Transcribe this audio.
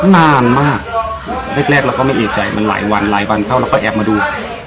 นานมากแรกเราก็ไม่เอกใจมันหลายวันหลายวันเข้าเราก็แอบมาดู